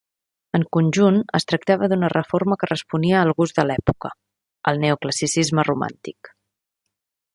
En conjunt es tractava d'una reforma que responia al gust de l'època, el neoclassicisme romàntic.